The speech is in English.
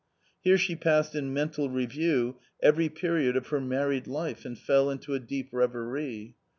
Here she passed in mental review every period of her married life and fell into a deep reverie.